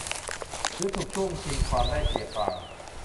หรือถูกช่วงชิงความได้เปรียบต่าง